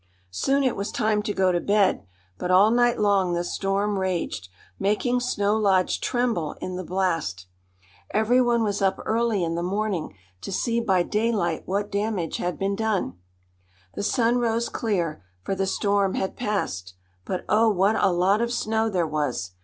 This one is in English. Soon it was time to go to bed, but all night long the storm raged, making Snow Lodge tremble in the blast. Everyone was up early in the morning to see by daylight what damage had been done. The sun rose clear, for the storm had passed. But oh? what a lot of snow there was!